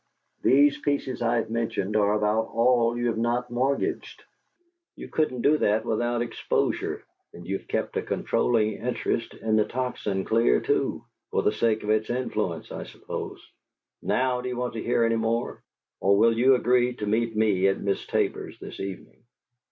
These pieces I've mentioned are about all you have not mortgaged. You couldn't do that without exposure, and you've kept a controlling interest in the Tocsin clear, too for the sake of its influence, I suppose. Now, do you want to hear any more, or will you agree to meet me at Miss Tabor's this evening?"